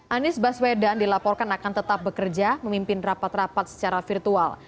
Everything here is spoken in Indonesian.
anies baswedan dilaporkan akan tetap bekerja memimpin rapat rapat secara virtual